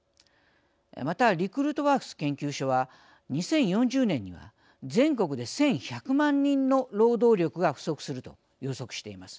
またリクルートワークス研究所は２０４０年には全国で１，１００万人の労働力が不足すると予測しています。